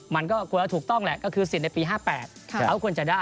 มันก็ควรจะถูกต้องแหละก็คือสิทธิ์ในปี๕๘เขาควรจะได้